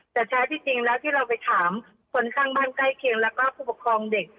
แต่แท้ที่จริงแล้วที่เราไปถามคนข้างบ้านใกล้เคียงแล้วก็ผู้ปกครองเด็ก